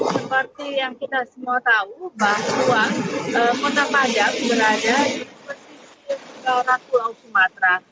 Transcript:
seperti yang kita semua tahu bahwa kota padang berada di pesisir daerah pulau sumatera